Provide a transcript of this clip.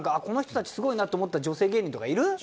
この人たちすごいなって思った女性芸人とかいる？